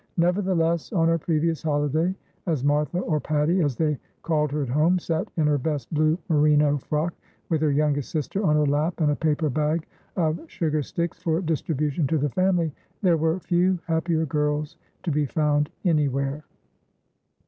Nevertheless, on her previous holiday, as Martha, or Patty, as they called her at home, sat in her best blue merino frock, with her youngest sister on her lap and a paper bag of sugar sticks for distribution to the family, there were few happier girls to be found anywhere.